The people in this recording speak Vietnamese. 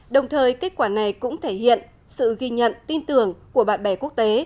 đồng thời kết quả này cũng thể hiện sự ghi nhận tin tưởng của bạn bè quốc tế